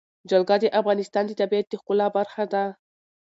جلګه د افغانستان د طبیعت د ښکلا برخه ده.